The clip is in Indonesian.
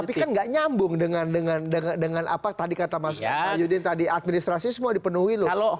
tapi kan gak nyambung dengan apa tadi kata mas wahyudin tadi administrasi semua dipenuhi loh